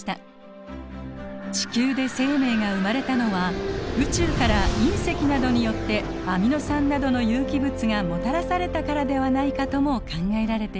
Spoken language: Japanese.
地球で生命が生まれたのは宇宙から隕石などによってアミノ酸などの有機物がもたらされたからではないかとも考えられています。